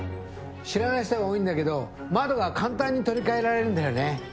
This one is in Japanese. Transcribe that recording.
知らない人が多いんだけど窓が簡単に取り替えられるんだよね。